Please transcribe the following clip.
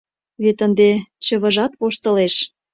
Вет ынде чывыжат воштылеш!